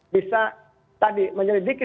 bisa tadi menyelidiki